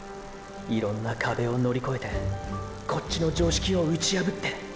いろんな壁をのりこえてこっちの常識をうちやぶって！